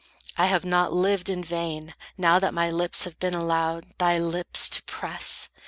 I have not lived In vain, now that my lips have been allowed Thy lips to press.